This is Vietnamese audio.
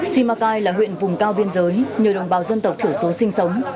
simacai là huyện vùng cao biên giới nhiều đồng bào dân tộc thiểu số sinh sống